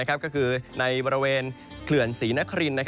ก็คือในบริเวณเขื่อนศรีนคริน